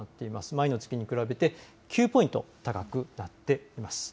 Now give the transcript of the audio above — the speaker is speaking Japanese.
前の月に比べて９ポイント高くなっています。